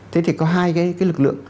thế thì có hai cái lực lượng